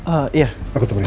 ah iya aku tunggu ya